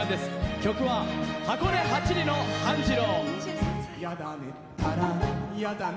曲は「箱根八里の半次郎」。